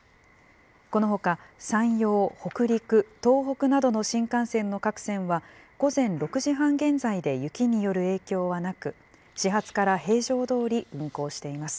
このほか、山陽、北陸、東北などの新幹線の各線は、午前６時半現在で雪による影響はなく、始発から平常どおり運行しています。